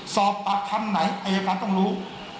สอบปากคำไหนอายการต้องรู้